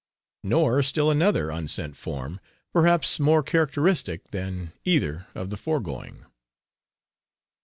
Nor still another unsent form, perhaps more characteristic than either of the foregoing.